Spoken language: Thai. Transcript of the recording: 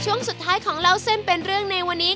ช่วงสุดท้ายของเล่าเส้นเป็นเรื่องในวันนี้